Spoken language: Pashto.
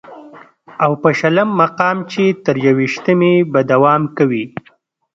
او په شلم مقام چې تر يوویشتمې به دوام کوي